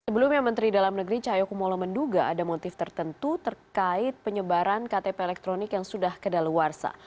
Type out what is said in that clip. sebelumnya menteri dalam negeri cahaya kumolo menduga ada motif tertentu terkait penyebaran ktp elektronik yang sudah kedaluarsa